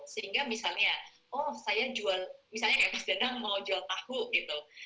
sehingga misalnya oh saya jual misalnya kemas danang mau jual tahu gitu